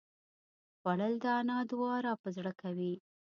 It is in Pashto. خوړل د انا دعا راپه زړه کوي